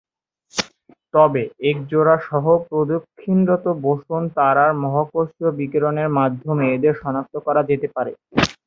তবে, একজোড়া সহ-প্রদক্ষিণরত বোসন তারার মহাকর্ষীয় বিকিরণের মাধ্যমে এদের শনাক্ত করা যেতে পারে।